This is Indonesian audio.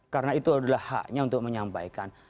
karena itu adalah haknya untuk menyampaikan